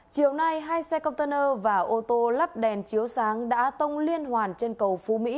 chiều nay hai xe container và ô tô lắp đèn chiếu sáng đã tông liên hoàn trên cầu phú mỹ